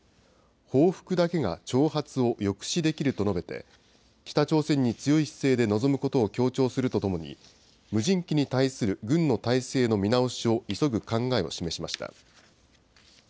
報復だけが挑発を抑止できると述べて、北朝鮮に強い姿勢で臨むことを強調するとともに、無人機に対する軍の態勢の見直しを急ぐ考えを示しました。